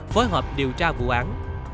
phối hợp điều tra vụ án